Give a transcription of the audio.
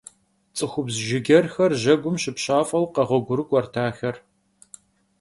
ЦӀыхубз жыджэрхэр жьэгум щыпщафӀэу къэгъуэгурыкӀуэрт ахэр.